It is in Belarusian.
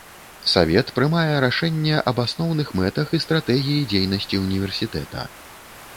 Савет прымае рашэнне аб асноўных мэтах і стратэгіі дзейнасці універсітэта.